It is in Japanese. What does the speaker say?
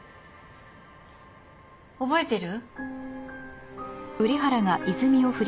覚えてる？